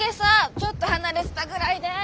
ちょっと離れてたぐらいで！